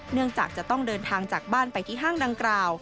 จะต้องเดินทางจากบ้านไปที่ห้างดังกล่าว